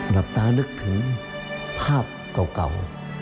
หลับตานึกถึงภาพเก่า